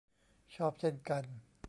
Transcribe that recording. ชอบเช่นกัน